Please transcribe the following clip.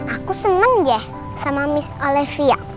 aku seneng ya sama miss olivia